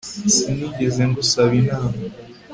Sinigeze ngusaba inama